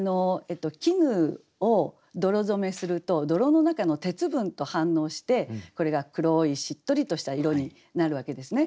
絹を泥染めすると泥の中の鉄分と反応してこれが黒いしっとりとした色になるわけですね。